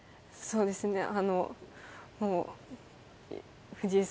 そうですね